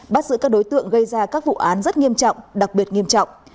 bắt giữ các đối tượng gây ra các vụ án rất nghiêm trọng đặc biệt nghiêm trọng